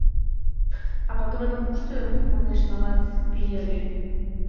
— А патроным кушто, — манеш, - налат, пий эрге?